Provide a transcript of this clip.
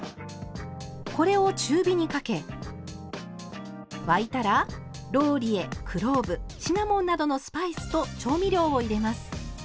これを中火にかけ沸いたらローリエクローブシナモンなどのスパイスと調味料を入れます。